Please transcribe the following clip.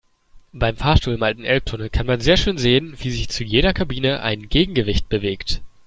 Beim Fahrstuhl im alten Elbtunnel kann man sehr schön sehen, wie sich zu jeder Kabine ein Gegengewicht bewegt.